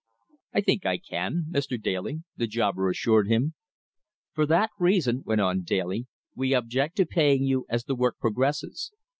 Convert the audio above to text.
"I think I can, Mr. Daly," the jobber assured him. "For that reason," went on Daly, "we object to paying you as the work progresses.